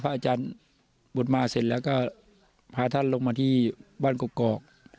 อาจารย์บุตรมาเสร็จแล้วก็พาท่านลงมาที่บ้านกกอก